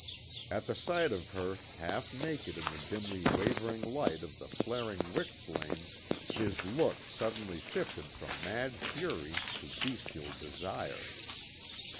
At the sight of her, half naked in the dimly wavering light of the flaring wick flame, his look suddenly shifted from mad fury to bestial desire.